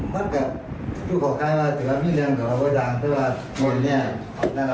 มีแขนกันนะ